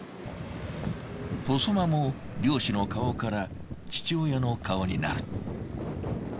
細間も漁師の顔から父親の顔になる。